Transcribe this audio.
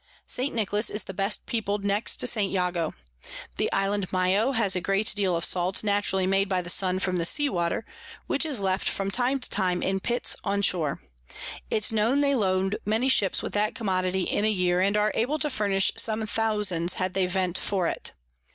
St. Nicholas is the best peopled next to St. Jago. The Island Mayo has a great deal of Salt naturally made by the Sun from the Sea Water, which is left from time to time in Pits on shore: It's known they load many Ships with that Commodity in a Year, and are able to furnish some thousands, had they Vent for it.